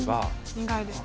意外ですね。